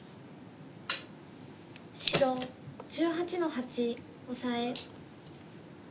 白１８の八オサエ。